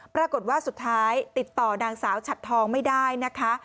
ปรากฏว่าสุดท้ายติดต่อนางสาวฉัดทองไม่ได้นะคะ